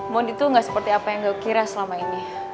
mondi tuh ga seperti apa yang gue kira selama ini